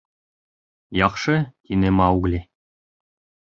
— Яҡшы, — тине Маугли.